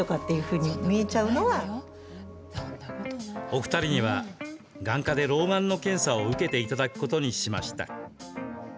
お二人には眼科で老眼の検査を受けていただくことにしました。